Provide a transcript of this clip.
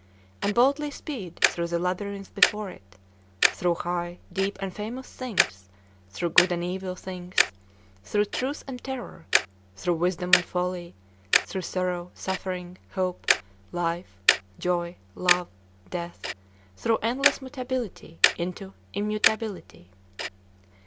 and boldly speed through the labyrinth before it, "through high, deep, and famous things, through good and evil things, through truth and error, through wisdom and folly, through sorrow, suffering, hope, life, joy, love, death, through endless mutability, into immutability!"